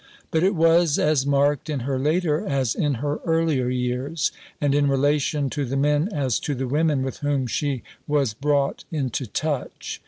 But it was as marked in her later as in her earlier years, and in relation to the men as to the women with whom she was brought into touch.